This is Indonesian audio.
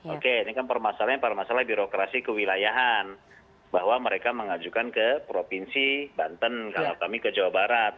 oke ini kan permasalahannya permasalah birokrasi kewilayahan bahwa mereka mengajukan ke provinsi banten kalau kami ke jawa barat